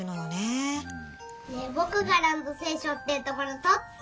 ねえぼくがランドセルしょってるところとって。